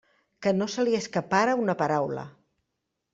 Que no se li escapara una paraula!